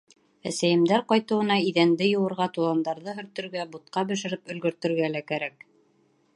Әсәйемдәр ҡайтыуына иҙәнде йыуырға, туҙандарҙы һөртөргә, бутҡа бешереп өлгөртөргә лә кәрәк...